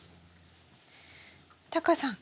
タカさん